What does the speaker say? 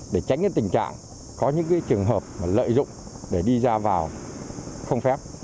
để tránh tình trạng có những trường hợp lợi dụng để đi ra vào không phép